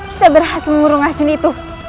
kita berhasil mengurung racun itu